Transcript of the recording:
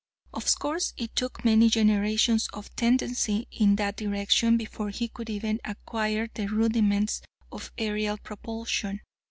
Of course it took many generations of tendency in that direction before he could even acquire the rudiments of aerial propulsion.